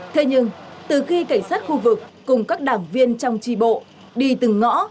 thế nhưng từ khi cảnh sát khu vực cùng các đảng viên trong tri bộ đi từng ngõ